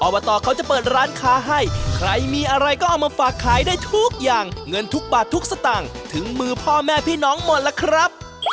ตเขาจะเปิดร้านค้าให้ใครมีอะไรก็เอามาฝากขายได้ทุกอย่างเงินทุกบาททุกสตางค์ถึงมือพ่อแม่พี่น้องหมดล่ะครับ